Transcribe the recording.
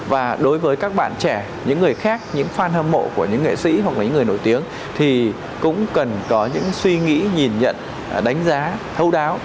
và đối với các bạn trẻ những người khác những fan hâm mộ của những nghệ sĩ hoặc là những người nổi tiếng thì cũng cần có những suy nghĩ nhìn nhận đánh giá thâu đáo